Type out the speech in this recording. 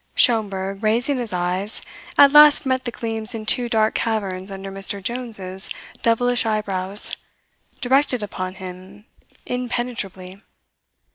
Schomberg, raising his eyes, at last met the gleams in two dark caverns under Mr. Jones's devilish eyebrows, directed upon him impenetrably.